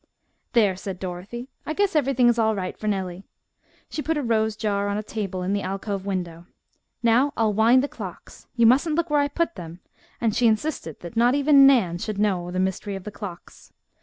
"There," said Dorothy, "I guess everything is all right for Nellie." She put a rose jar on a table in the alcove window. "Now I'll wind the clocks. You mustn't look where I put them," and she insisted that not even Nan should know the mystery of the clocks.